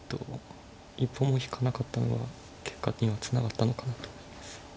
一歩も引かなかったのは結果にはつながったのかなと思います。